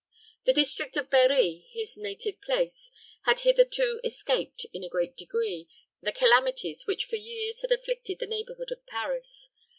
The district of Berri, his native place, had hitherto escaped, in a great degree, the calamities which for years had afflicted the neighborhood of Paris.